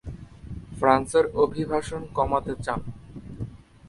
ফ্রান্সের অভিবাসন কমাতে চান।